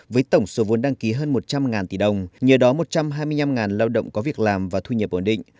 với tổng số vốn đăng ký hơn một trăm linh tỷ đồng nhờ đó một trăm hai mươi năm lao động có việc làm và thu nhập ổn định